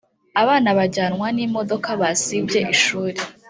Abana bajyanwa nimodoka basibye ishuri